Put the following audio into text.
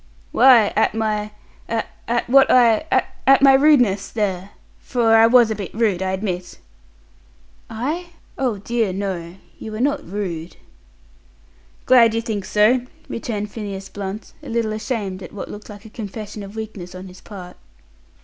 "Why, at my at what I at my rudeness, there! For I was a bit rude, I admit." "I? Oh dear, no. You were not rude." "Glad you think so!" returned Phineas Blunt, a little ashamed at what looked like a confession of weakness on his part.